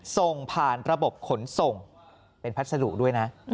ส่งผ่านระบบขนส่งเป็นพัสดุด้วยนะ